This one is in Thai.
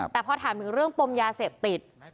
แต่พอถามถึงเรื่องปมยาเสพติด